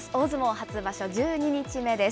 初場所１２日目です。